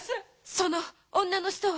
その女の人は？